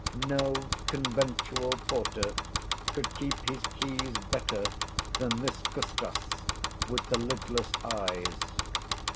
No conventual porter could keep his keys better than this custos with the "lidless eyes."